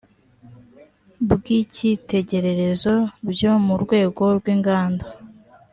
bw icyitegererezo byo mu rwego rw inganda